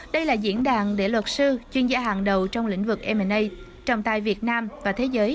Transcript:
đây là diễn đàn để luật sư chuyên gia hàng đầu trong lĩnh vực mna trồng tai việt nam và thế giới